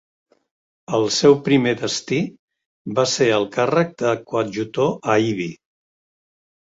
El seu primer destí va ser el càrrec de Coadjutor a Ibi.